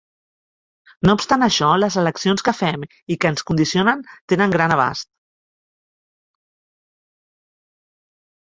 No obstant això, les eleccions que fem i que ens condicionen tenen gran abast.